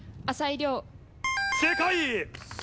正解。